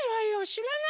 しらない！